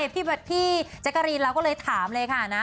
พี่แจ๊กกะรีนเราก็เลยถามเลยค่ะนะ